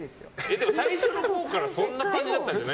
でも最初のほうからそんな感じでしたよね。